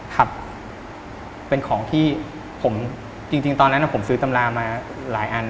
ครับเป็นของที่ผมจริงตอนนั้นผมซื้อตำรามาหลายอัน